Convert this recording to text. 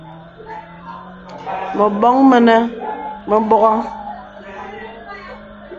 Məbɔŋ mənə mə bɔghaŋ.